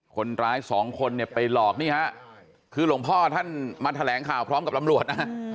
คนร้ายสองคนเนี่ยไปหลอกนี่ฮะคือหลวงพ่อท่านมาแถลงข่าวพร้อมกับตำรวจนะ